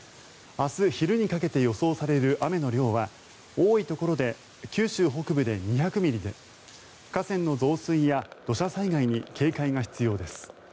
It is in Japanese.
明日昼にかけて予想される雨の量は多いところで九州北部で２００ミリで河川の増水や土砂災害に警戒が必要です。